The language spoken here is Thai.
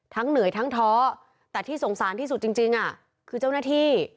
เหนื่อยทั้งท้อแต่ที่สงสารที่สุดจริงคือเจ้าหน้าที่